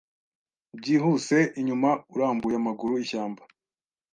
Byihuse inyuma urambuye amaguru ishyamba